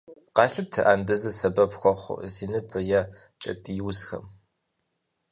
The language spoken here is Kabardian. Къалъытэ андызыр сэбэп хуэхъуу зи ныбэ е кӏэтӏий узхэм.